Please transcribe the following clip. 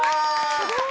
すごい！